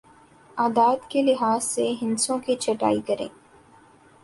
اعداد کے لحاظ سے ہندسوں کی چھٹائی کریں